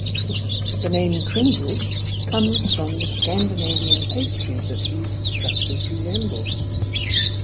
The name Kringle comes from the Scandinavian pastry that these structures resemble.